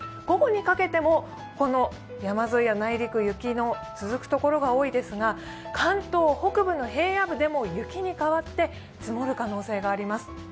午後にかけても山沿いや内陸、雪の続く所が多いですが、関東北部の平野部でも雪に変わって積もる可能性があります。